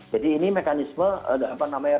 jadi ini mekanisme apa namanya